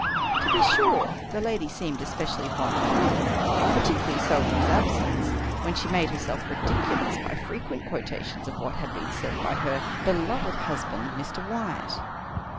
To be sure, the lady ii6 Edmr Allan Poe *i> seemed especially fond of him — particularly so in his absence — when she made herself ridiculous by frequent quotations of what had been said by her " beloved husband, Mr. Wy att."